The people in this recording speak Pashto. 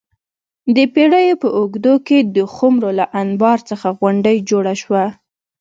د پېړیو په اوږدو کې د خُمرو له انبار څخه غونډۍ جوړه شوه